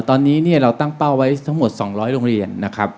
ตอนนี้เนี่ยเราตั้งเป้าไว้ทั้งหมด๒๐๐โรงเรียนนะครับ